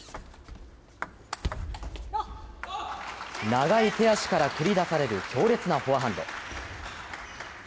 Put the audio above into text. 長い手足から繰り出される強烈なフォアハンド。